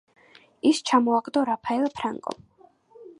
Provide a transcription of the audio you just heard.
ის ჩამოაგდო რაფაელ ფრანკომ.